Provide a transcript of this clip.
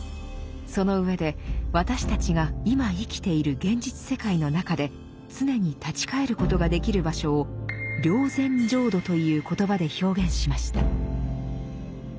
その上で私たちが今生きている現実世界の中で常に立ち返ることができる場所を「霊山浄土」という言葉で表現しました。